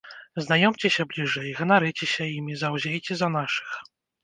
Знаёмцеся бліжэй, ганарыцеся імі, заўзейце за нашых!